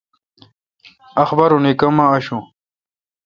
اخبارونی کما آشوں؟